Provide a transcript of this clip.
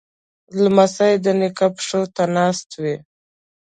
لمسی د نیکه پښو ته ناست وي.